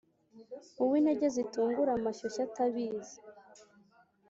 uwintege zitungura amashyoshyo atabizi